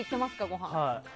ごはん。